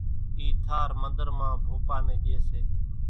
اِي ٿار منۮر مان ڀوپا نين ڄي سي